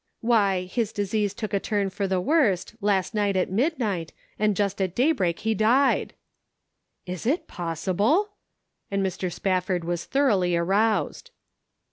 " Why, his disease took a turn for the worst, last night at midnight, and just at day break he died." " Is it possible !" and Mr. Spafford was thoroughly aroused.